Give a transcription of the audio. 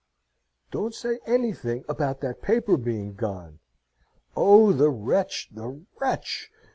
"Don't say anything about that paper being gone! Oh, the wretch, the wretch!